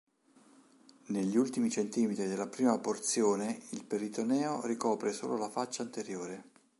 Negli ultimi centimetri della prima porzione il peritoneo ricopre solo la faccia anteriore.